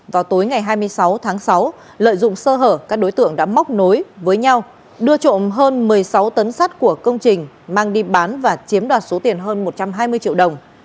vào tối ngày hai mươi sáu tháng sáu lợi dụng sơ hở các đối tượng đã móc nối với nhau đưa trộm hơn một mươi sáu tấn sắt của công trình mang đi bán và chiếm đoạt số tiền hơn một trăm hai mươi triệu đồng